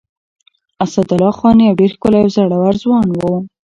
اسدالله خان يو ډېر ښکلی او زړور ځوان و.